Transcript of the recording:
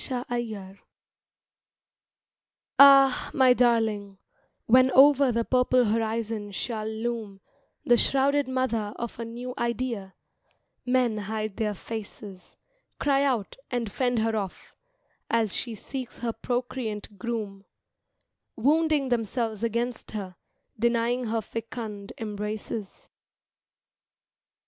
THE PROPHET AH, my darling, when over the purple horizon shall loom The shrouded mother of a new idea, men hide their faces, Cry out and fend her off, as she seeks her procreant groom, Wounding themselves against her, denying her fecund embraces.